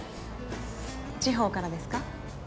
地方からですか？